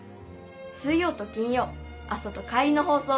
水曜と金曜朝と帰りのほうそう。